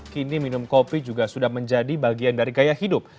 kini minum kopi juga sudah menjadi bagian dari gaya hidup